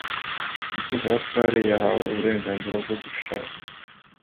Mukeshabatware yahawe uburenganzira bwo gushaka